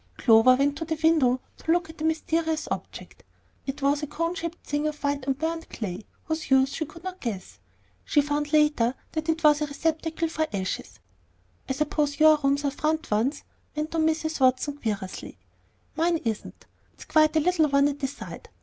Clover went to the window to look at the mysterious object. It was a cone shaped thing of white unburned clay, whose use she could not guess. She found later that it was a receptacle for ashes. "I suppose your rooms are front ones?" went on Mrs. Watson, querulously. "Mine isn't. It's quite a little one at the side.